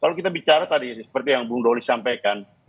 kalau kita bicara tadi seperti yang bung doni sampaikan